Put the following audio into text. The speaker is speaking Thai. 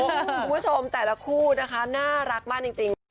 คุณผู้ชมแต่ละคู่นะคะน่ารักมากจริงค่ะ